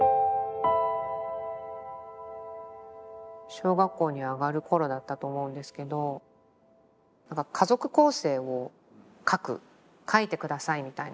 小学校に上がる頃だったと思うんですけど書いて下さいみたいな。